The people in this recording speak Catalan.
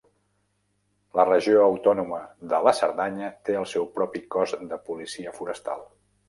La Regió Autònoma de la Cerdanya té el seu propi cos de policia forestal.